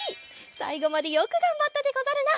さいごまでよくがんばったでござるな。